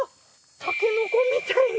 タケノコみたいな。